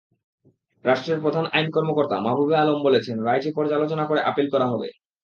রাষ্ট্রের প্রধান আইন কর্মকর্তা মাহবুবে আলম বলেছেন, রায়টি পর্যালোচনা করে আপিল করা হবে।